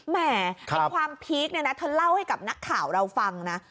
แหมไอ้ความพีคเนี่ยนะเธอเล่าให้กับนักข่าวเราฟังนะ